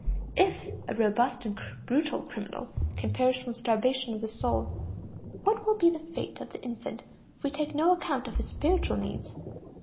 If a robust and brutal criminal can perish from starvation of the soul, what will be the fate of the infant if we take no account of his spiritual needs?